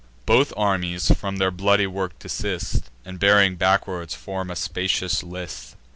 Both armies from their bloody work desist, And, bearing backward, form a spacious list.